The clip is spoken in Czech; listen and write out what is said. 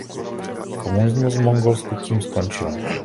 Komunismus v Mongolsku tím skončil.